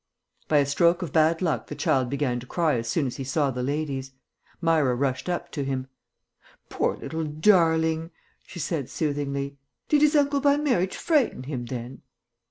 By a stroke of bad luck the child began to cry as soon as he saw the ladies. Myra rushed up to him. "Poor little darling," she said soothingly. "Did his uncle by marriage frighten him, then?"